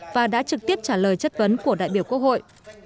và đã trực tiếp trả lời chất vấn của đại biểu quốc hội